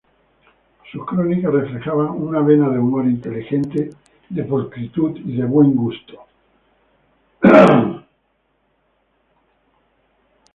Sus crónicas reflejaban "una vena de humor inteligente, de pulcritud y de buen gusto".